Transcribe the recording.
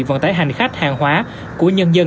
vận tái hành khách hàng hóa của nhân dân